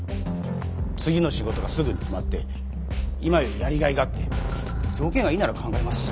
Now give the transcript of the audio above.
次の仕事がすぐに決まって今よりやりがいがあって条件がいいなら考えます。